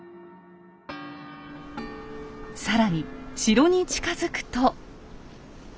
更に城に近づくと。